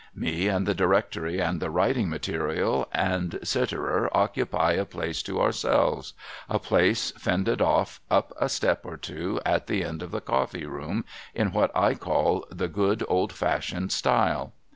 Me and the Directory and the A\'riting Materials and cctrer occupy a place to ourselves — a place fended off up a step or two at the end of the Coftee room, in what I call the good old fashioned style.